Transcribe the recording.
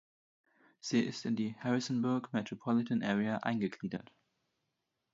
Sie ist in die "Harrisonburg Metropolitan Area" eingegliedert.